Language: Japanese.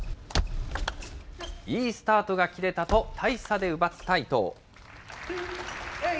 いいスタートが切れたと、大差で奪った伊藤。